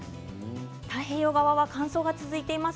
太平洋側は乾燥が続いています。